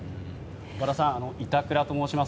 岡田さん板倉と申します。